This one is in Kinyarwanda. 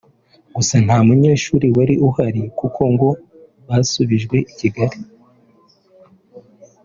gusa nta munyeshuri wari uhari kuko ngo basubijwe i Kigali